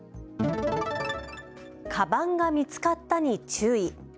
かばんが見つかったに注意。